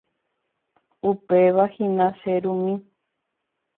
Upevahína che rumi.